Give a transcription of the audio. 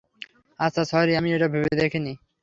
আচ্ছা, স্যরি, আমি এটা ভেবে দেখিনি।